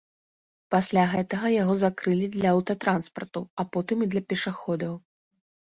Пасля гэтага яго закрылі для аўтатранспарту, а потым і для пешаходаў.